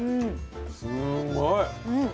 すんごい。